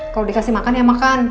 kalau dikasih makan ya makan